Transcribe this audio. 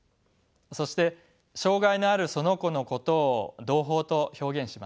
そして障がいのあるその子のことを同胞と表現します。